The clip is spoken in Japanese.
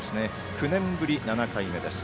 ９年ぶり７回目です。